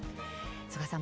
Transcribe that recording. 曽我さん